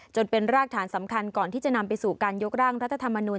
จนเป็นรากฐานสำคัญก่อนที่จะนำไปสู่การยกร่างรัฐธรรมนูล